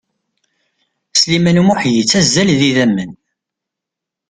Sliman U Muḥ yettazzal d idamen.